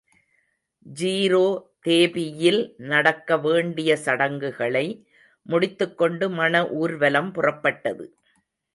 Zero தேபியில் நடக்க வேண்டிய சடங்குகளை முடித்துக் கொண்டு மண ஊர்வலம் புறப்பட்டது.